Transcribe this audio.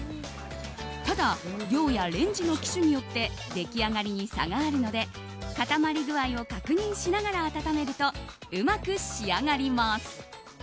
ただ、量やレンジの機種によって出来上がりに差があるので固まり具合を確認しながら温めると、うまく仕上がります。